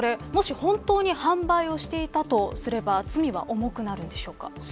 本当に販売をしていたとすれば罪は重くなるんでしょうか。